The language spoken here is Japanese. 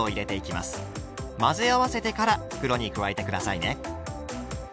混ぜ合わせてから袋に加えて下さいね。